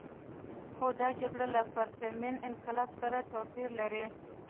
خو دا جګړې له پرتمین انقلاب سره توپیر لري.